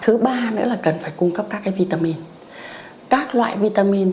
thứ ba nữa là cần phải cung cấp các vitamin